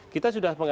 kita sudah mengusung